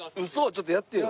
ちょっとやってよ。